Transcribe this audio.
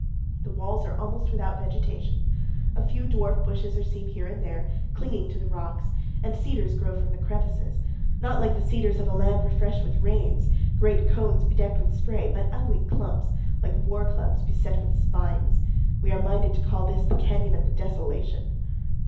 The walls are almost without vegetation; a few dwarf bushes are seen here and there clinging to the rocks, and cedars grow from the crevices not like the cedars of a land refreshed with rains, great cones bedecked with spray, but ugly clumps, like war clubs beset with spines. We are minded to call this the Canyon of Desolation.